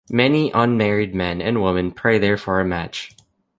Many unmarried men and women pray there for a match.